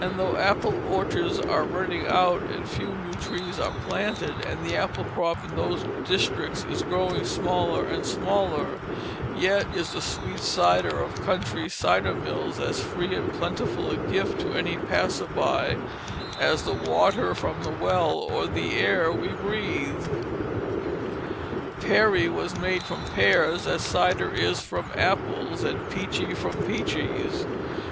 And though apple orchards are running out, and few new trees are planted, and the apple crop in those districts is growing smaller and smaller, yet is the sweet cider of country cider mills as free and plentiful a gift to any passer by as the water from the well or the air we breathe. Perry was made from pears, as cider is from apples, and peachy from peaches.